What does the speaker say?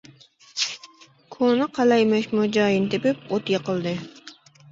كونا قەلەي مەشمۇ جايىنى تېپىپ، ئوت يېقىلدى.